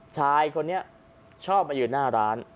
ชายคนนี้ชอบมายืนหน้าร้าน